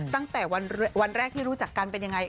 ตั้งแต่วันแรกที่รู้จักกันเป็นยังไง